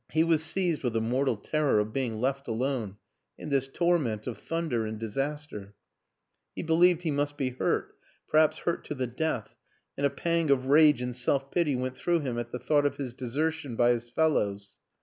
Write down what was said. He was seized with a mortal terror of being left alone in this torment of thunder and disaster ; he believed he must be hurt, perhaps hurt to the death, and a pang of rage and self pity went through him at the thought of his desertion by his fellows.